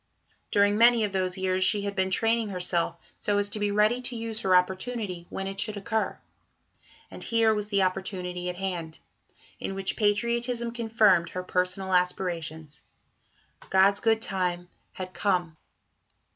During many of those years she had been training herself so as to be ready to use her opportunity when it should occur. And here was the opportunity at hand, in which patriotism confirmed her personal aspirations. "God's good time" had come.